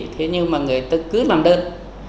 thế nhưng mà người ta cứ làm đơn